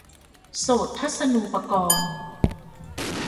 โสตทัศนูปกรณ์